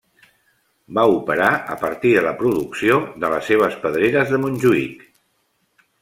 Va operar a partir de la producció de les seves pedreres de Montjuïc.